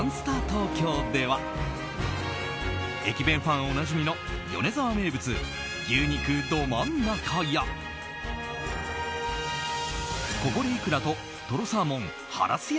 東京では駅弁ファンおなじみの米沢名物、牛肉どまん中やこぼれイクラととろサーモンハラス